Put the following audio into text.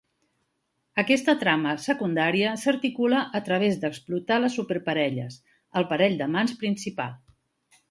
Aquesta trama secundària s'articula a través d'explotar les superparelles, el parell d'amants principal.